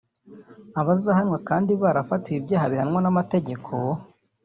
abahazanwa kandi barafatiwe ibyaha bihanwa n’amategeko